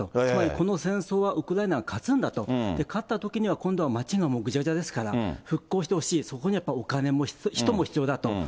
つまりこの戦争はウクライナが勝つんだと、勝ったときには、今度はもう街がもうぐちゃぐちゃですから、復興してほしい、そこにはやっぱりお金も人も必要だと。